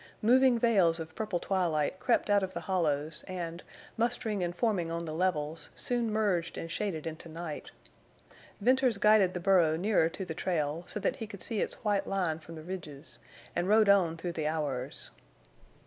Moving veils of purple twilight crept out of the hollows and, mustering and forming on the levels, soon merged and shaded into night. Venters guided the burro nearer to the trail, so that he could see its white line from the ridges, and rode on through the hours.